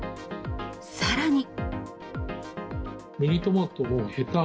さらに。